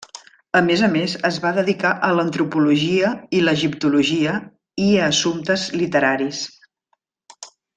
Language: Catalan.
A més a més es va dedicar a l'antropologia i l'egiptologia i a assumptes literaris.